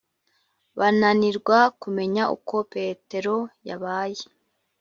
bananirwa kumenya uko petero yabaye